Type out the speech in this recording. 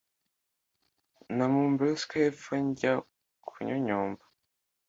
manumberska hepfo njya kanyonyomba